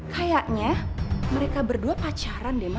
kayaknya mereka berdua pacaran deh mas